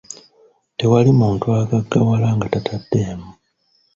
Tewali muntu agaggawala nga tataddeemu.